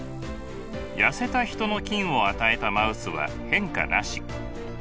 痩せたヒトの菌を与えたマウスは変化なし。